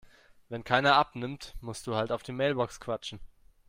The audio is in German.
Wenn keiner abnimmt, musst du halt auf die Mailbox quatschen.